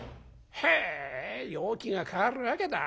へえ陽気が変わるわけだ。